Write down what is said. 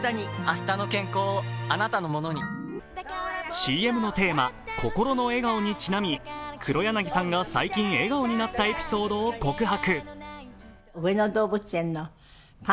ＣＭのテーマ、「こころの笑顔」にちなみ黒柳さんが最近笑顔になったエピソードを告白。